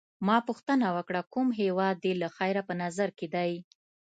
ما پوښتنه وکړه: کوم هیواد دي له خیره په نظر کي دی؟